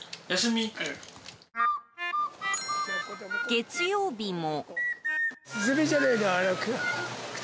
月曜日も。